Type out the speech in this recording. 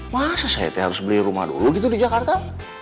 masa saya harus beli rumah dulu gitu di jakarta